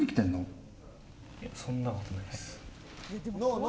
そんなことないです。